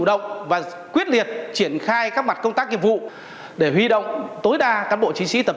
động và quyết liệt triển khai các mặt công tác nhiệm vụ để huy động tối đa các bộ chính sĩ tập